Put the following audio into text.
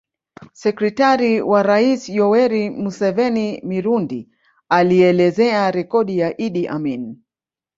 Sekretari wa rais Yoweri Museveni Mirundi alielezea rekodi ya Idi Amin